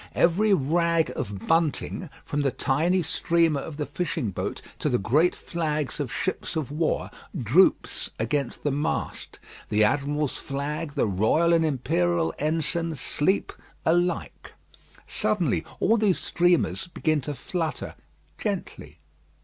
Every rag of bunting, from the tiny streamer of the fishing boat to the great flag of ships of war, droops against the mast. The admiral's flag, the Royal and Imperial ensigns sleep alike. Suddenly all these streamers begin to flutter gently.